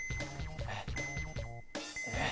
えっ？